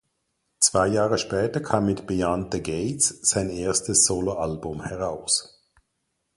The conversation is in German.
Zwei Jahre später kam mit "Beyond The Gates" sein erstes Soloalbum heraus.